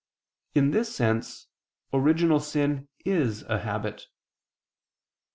In this sense original sin is a habit.